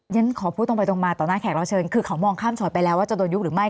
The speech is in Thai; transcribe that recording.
ฉันขอพูดตรงไปตรงมาต่อหน้าแขกรับเชิญคือเขามองข้ามชอตไปแล้วว่าจะโดนยุบหรือไม่